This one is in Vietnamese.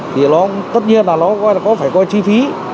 thì nó tất nhiên là nó coi là có phải coi chi phí